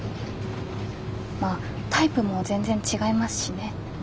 まあタイプも全然違いますしね。